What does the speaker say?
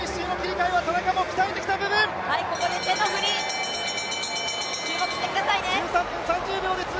ここで手の振り、注目してくださいね。